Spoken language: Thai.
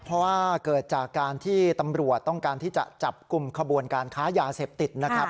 เพราะว่าเกิดจากการที่ตำรวจต้องการที่จะจับกลุ่มขบวนการค้ายาเสพติดนะครับ